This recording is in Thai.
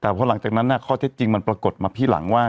แต่พอหลังจากนั้นข้อเท็จจริงมันปรากฏมาพี่หลังว่า